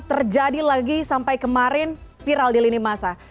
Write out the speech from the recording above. terjadi lagi sampai kemarin viral di lini masa